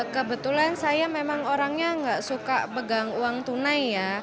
kebetulan saya memang orangnya nggak suka pegang uang tunai ya